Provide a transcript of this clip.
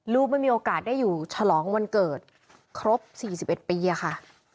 ไม่มีโอกาสได้อยู่ฉลองวันเกิดครบ๔๑ปีอะค่ะ